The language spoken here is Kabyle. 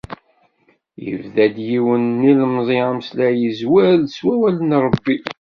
Ibda-d yiwen n yilemẓi ameslay, izwar-d s wawal n Rebbi.